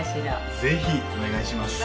ぜひお願いします。